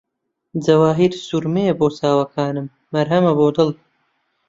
جەواهیرسورمەیە بۆ چاوەکانم، مەرهەمە بۆ دڵ